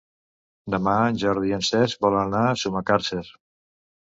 Demà en Jordi i en Cesc volen anar a Sumacàrcer.